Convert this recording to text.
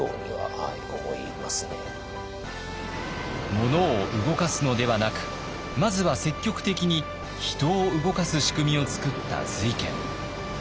物を動かすのではなくまずは積極的に人を動かす仕組みを作った瑞賢。